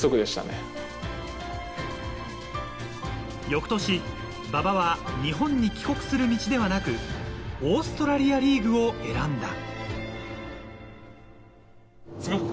翌年、馬場は日本に帰国する道ではなく、オーストラリアリーグを選んだ。